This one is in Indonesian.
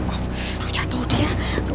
aduh jatuh dia